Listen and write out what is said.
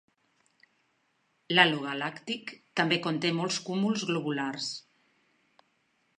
L'halo galàctic també conté molts cúmuls globulars.